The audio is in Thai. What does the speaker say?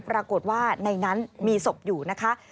ปรากฏว่าในนั้นมีศพอยู่นะคะ